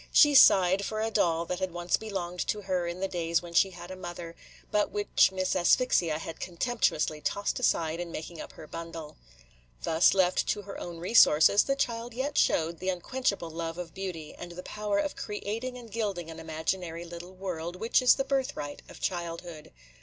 She sighed for a doll that had once belonged to her in the days when she had a mother, but which Miss Asphyxia had contemptuously tossed aside in making up her bundle. Left thus to her own resources, the child yet showed the unquenchable love of beauty, and the power of creating and gilding an imaginary little world, which is the birthright of childhood.